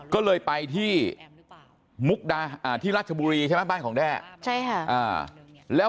ก็เลยไปที่รัชบุรีใช่ครับบ้านของแด้